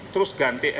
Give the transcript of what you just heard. terus ganti stnk